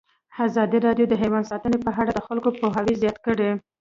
ازادي راډیو د حیوان ساتنه په اړه د خلکو پوهاوی زیات کړی.